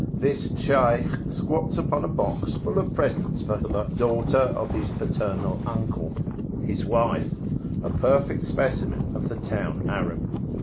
This Shaykh squats upon a box full of presents for the "daughter of his paternal uncle" [p.163](his wife), a perfect specimen of the town Arab.